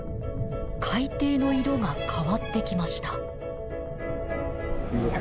海底の色が変わってきました。